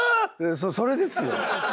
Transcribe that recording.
それですよ。